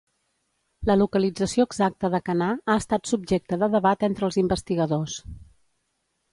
La localització exacta de Canà ha estat subjecte de debat entre els investigadors.